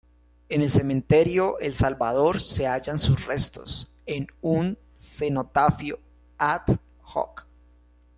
En el Cementerio El Salvador se hallan sus restos, en un cenotafio "ad hoc".